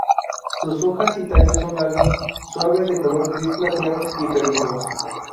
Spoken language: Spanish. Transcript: Sus hojas y tallos son largos, suaves, de color gris plateado y peludos.